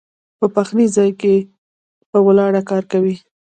پۀ پخلي ځائے کښې پۀ ولاړه کار کوي